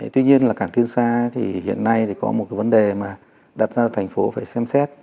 tuy nhiên là cảng tiên sa thì hiện nay thì có một cái vấn đề mà đặt ra thành phố phải xem xét